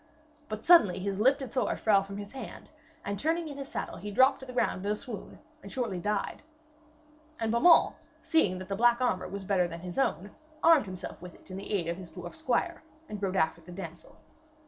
But suddenly his lifted sword fell from his hand, and turning in his saddle, he dropped to the ground in a swoon, and shortly died. And Beaumains, seeing that the black armour was better than his own, armed himself in it with the aid of his dwarf squire, and rode after the damsel.